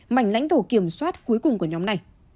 mảnh lãnh thổ kiểm soát cuối cùng của nhóm này